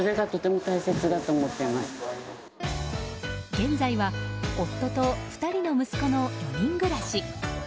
現在は夫と２人の息子の４人暮らし。